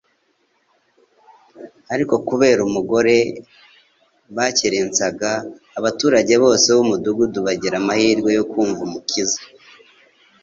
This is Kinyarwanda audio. Ariko kubera umugore bakerensaga, abaturage bose b'umudugudu bagira amahirwe yo kumva Umukiza.